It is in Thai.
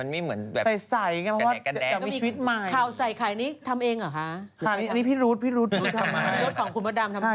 พี่ได้ได้ฟังเพราะว่าไม่ต้องดูแลพี่แม่เมาส